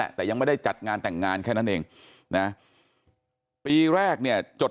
แต่ยังไม่ได้จัดงานแต่งงานแค่นั้นเองนะปีแรกเนี่ยจด